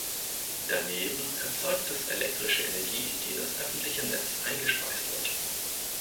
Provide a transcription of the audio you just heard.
Daneben erzeugt es elektrische Energie, die in das öffentliche Netz eingespeist wird.